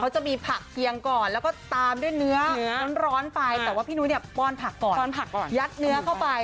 ก็จะมีผักเคียงก่อนแล้วก็ตามด้วยเนื้อร้อนไปแต่ว่าพี่หนุ๊ยป้อนผักก่อนยัดเนื้อเข้าไป